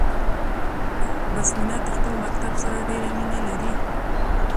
بسمينه د خپل مکتب سره ډيره مينه لري 🏫